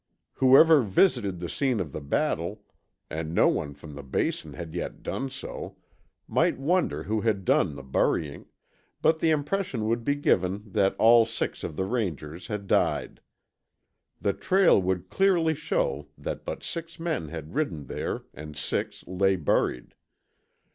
Whoever visited the scene of battle, and no one from the Basin had yet done so, might wonder who had done the burying, but the impression would be given that all six of the Rangers had died. The trail would clearly show that but six men had ridden there and six lay buried.